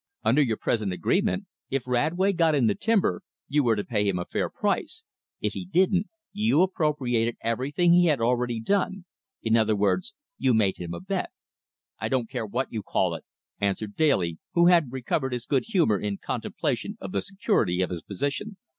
Under your present agreement, if Radway got in the timber, you were to pay him a fair price. If he didn't, you appropriated everything he had already done. In other words, you made him a bet." "I don't care what you call it," answered Daly, who had recovered his good humor in contemplation of the security of his position.